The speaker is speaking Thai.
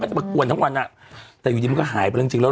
จะมากวนทั้งวันอ่ะแต่อยู่ดีมันก็หายไปแล้วจริงแล้ว